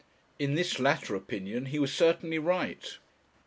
In this latter opinion he was certainly right.